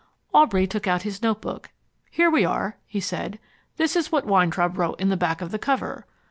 Aubrey took out his notebook. "Here we are," he said. "This is what Weintraub wrote in the back of the cover."